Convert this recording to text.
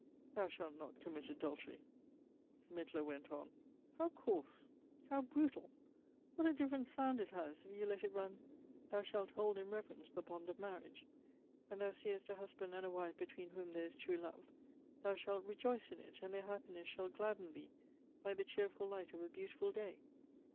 "' Thou shalt not commit adultery,' ■'— Mittler went on —" IIow coarse ! how brutal ! What a different sound it has, if you let it run, ' Thou shalt hold in rever ence the bond of marriage. When thou seest a husband and a wife between wliom there is true love, thou shalt rejoice in it, and their happiness shall gladden thee like the cheerful light of a beautiful day.